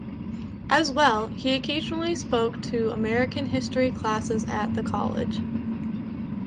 As well, he occasionally spoke to American History classes at the college.